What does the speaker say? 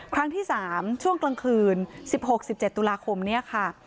ครั้งที่สามช่วงกลางคืนสิบหกสิบเจ็ดตุลาคมเนี้ยค่ะ